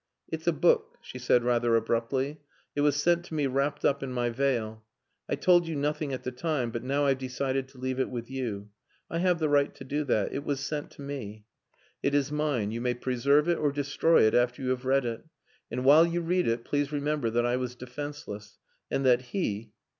"It's a book," she said rather abruptly. "It was sent to me wrapped up in my veil. I told you nothing at the time, but now I've decided to leave it with you. I have the right to do that. It was sent to me. It is mine. You may preserve it, or destroy it after you have read it. And while you read it, please remember that I was defenceless. And that he.."